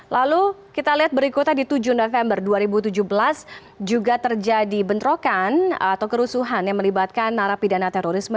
lalu kita lihat berikutnya di tujuh november dua ribu tujuh belas juga terjadi bentrokan atau kerusuhan yang melibatkan narapidana terorisme